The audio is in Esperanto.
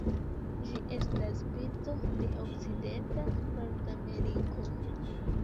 Ĝi estas birdo de okcidenta Nordameriko.